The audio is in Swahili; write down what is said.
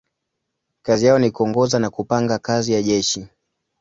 Kazi yao ni kuongoza na kupanga kazi ya jeshi.